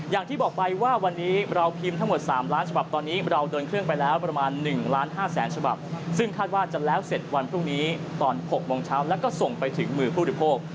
อย่างที่บอกไปว่าวันนี้เราพิมพ์ทั้งหมด๓ล้านฉบับตอนนี้เราเดินเครื่องไปแล้วประมาณ๑ล้าน๕แสนฉบับซึ่งคาดว่าจะแล้วเสร็จวันพรุ่งนี้ตอน๖โมงเช้าแล้วก็ส่งไปถึงมือผู้บริโภค